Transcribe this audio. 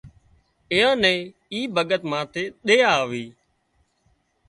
اين نين اي ڀڳت ماٿي ۮيا آوي